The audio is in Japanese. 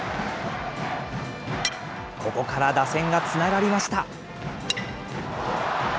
ここから打線がつながりました。